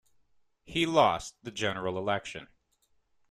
He lost the General Election.